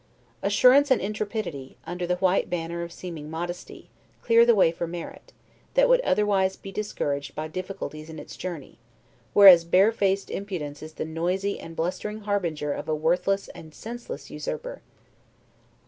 Assurance and intrepidity, under the white banner of seeming modesty, clear the way for merit, that would otherwise be discouraged by difficulties in its journey; whereas barefaced impudence is the noisy and blustering harbinger of a worthless and senseless usurper.